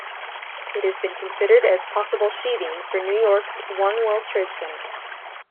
It has been considered as possible sheathing for New York's One World Trade Center.